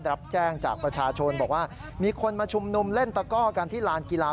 รับแจ้งจากประชาชนบอกว่ามีคนมาชุมนุมเล่นตะก้อกันที่ลานกีฬา